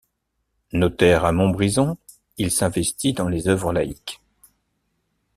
Notaire à Montbrison, il s'investit dans les œuvres laïques.